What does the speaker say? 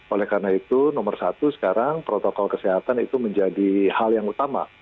oleh karena itu nomor satu sekarang protokol kesehatan itu menjadi hal yang utama